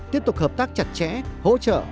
tiếp tục hợp tác chặt chẽ hỗ trợ